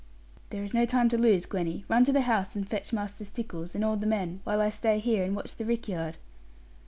'There is no time to lose, Gwenny. Run to the house and fetch Master Stickles, and all the men; while I stay here, and watch the rick yard.'